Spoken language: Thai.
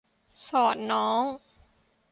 สอนน้อง